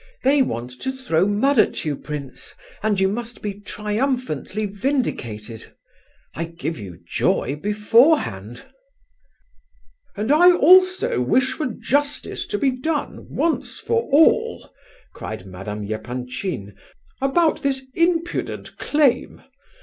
They want to throw mud at you, prince, and you must be triumphantly vindicated. I give you joy beforehand!" "And I also wish for justice to be done, once for all," cried Madame Epanchin, "about this impudent claim.